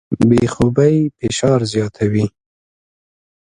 بې خوبۍ فشار زیاتوي.